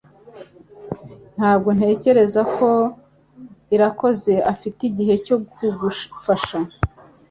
Ntabwo ntekereza ko Irakoze afite igihe cyo gufasha